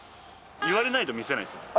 言われないと見せないです。